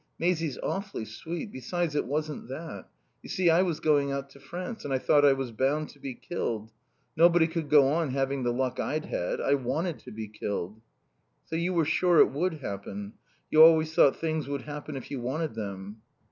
Maisie's awfully sweet. Besides, it wasn't that. You see, I was going out to France, and I thought I was bound to be killed. Nobody could go on having the luck I'd had. I wanted to be killed." "So you were sure it would happen. You always thought things would happen if you wanted them."